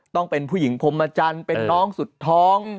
ต้องเป็นผู้หญิงพรมจันทร์เป็นน้องสุดท้อง